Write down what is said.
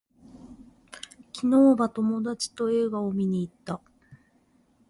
昨日は友達と映画を見に行った